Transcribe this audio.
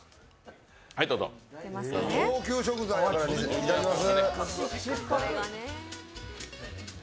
高級食材からいただきます。